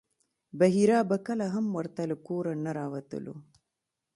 بحیرا به کله هم ورته له کوره نه راوتلو.